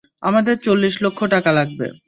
আমাদের চল্লিশ লক্ষ টাকা লাগবে।